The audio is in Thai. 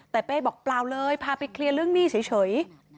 แต่เป้บอกเปล่าเลยพาไปเคลียร์เรื่องหนี้เฉย